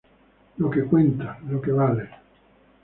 Lo que cuenta, lo que vale.